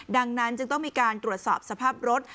ดังนั้นจึงต้องมีการตรวจสอบสภาพรถ